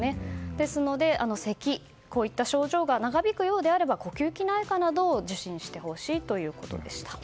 ですので、せきといった症状が長引くようであれば呼吸器内科などを受診しほしいということでした。